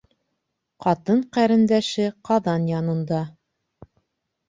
Ҡатын ҡәрендәше ҡаҙан янында